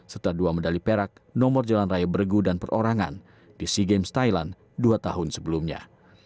serta dua medali perak nomor jalan raya bergu dan perorangan di sea games thailand dua tahun sebelumnya